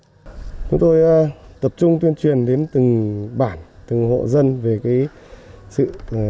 chúng tôi tập trung tuyên truyền đến từng bản từng hộ dân về sự